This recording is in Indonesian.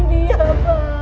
jadi ibu sudah mengakui